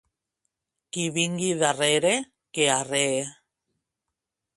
Qui vingui darrere, que arree.